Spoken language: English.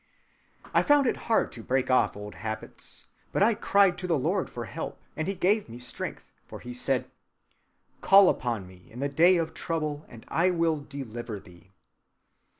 I found it hard to break off old habits, but I cried to the Lord for help, and he gave me strength, for he has said, 'Call upon me in the day of trouble, and I will deliver thee.